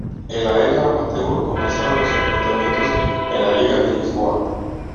En la era amateur, comenzaron los enfrentamientos en la Liga de Lisboa.